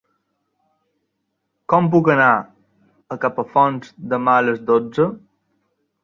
Com puc anar a Capafonts demà a les dotze?